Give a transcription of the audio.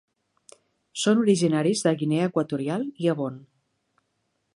Són originaris de Guinea Equatorial i Gabon.